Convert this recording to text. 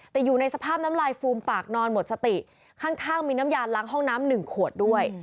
แต่อยู่ในสภาพน้ำลายฟูมปากนอนหมดสติข้างมีน้ำยาล้างห้องน้ำหนึ่งขวดด้วย